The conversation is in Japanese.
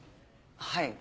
はい。